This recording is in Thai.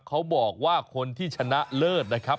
เขาบอกว่าคนที่ชนะเลิศนะครับ